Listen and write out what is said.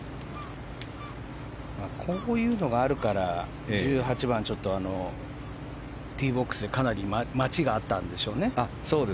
こういうのがあるから１８番はティーボックスでかなり待ちがあったんでしょうね。